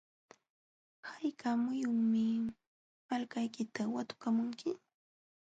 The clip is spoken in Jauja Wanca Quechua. ¿hayka muyunmi malkaykita watukamunki?